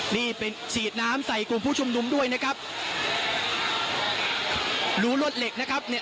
นี่เป็นฉีดน้ำใส่กลุ่มผู้ชุมนุมด้วยนะครับรูรวดเหล็กนะครับเนี่ย